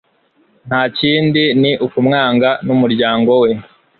Nta kindi ni ukumwanga numuryango we